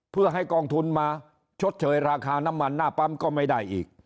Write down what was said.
เพื่อให้กองทุนมาชดเชยราคาน้ำมันหน้าปั๊มก็ไม่ได้อีก